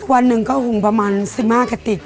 วันหนึ่งก็หุงประมาณ๑๕กระติก